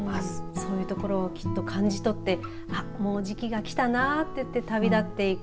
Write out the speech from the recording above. そういうところをきっと感じ取ってもう時期がきたなと言って旅立っていく。